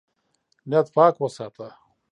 نیت پاک وساته.